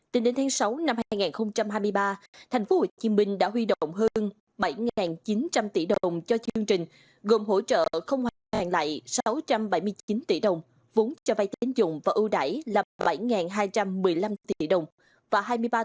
tính đến tháng sáu năm hai nghìn hai mươi ba thành phố hồ chí minh đã huy động hơn bảy chín trăm linh tỷ đồng cho chương trình gồm hỗ trợ không hoàn hạn lại sáu trăm bảy mươi chín tỷ đồng vốn cho vai tín dụng và ưu đải là bảy hai trăm linh